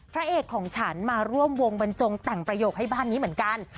พระเอกของฉันมาร่วมวงบรรจงแต่งประโยคให้บ้านนี้เหมือนกัน